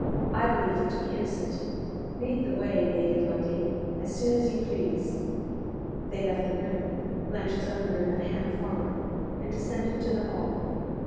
I believe him to be innocent. Lead the way, Lady Lundie, as soon as you please." They left the room Blanche's own room at Ham Farm and descended to the hall.